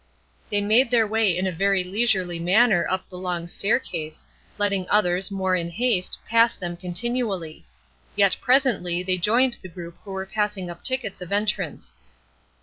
They made their way in a very leisurely manner up the long staircase, letting others, more in haste, pass them continually; yet presently they joined the group who were passing up tickets of entrance.